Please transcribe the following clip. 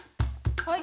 はい。